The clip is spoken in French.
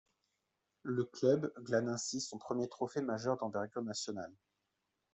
Le club glâne ainsi son premier trophée majeur d'envergure national.